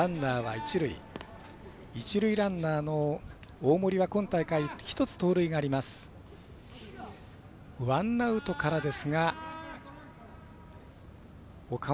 一塁ランナーの大森は今大会１つ盗塁があります。